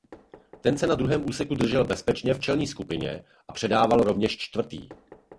Ten se na druhém úseku držel bezpečně v čelní skupině a předával rovněž čtvrtý.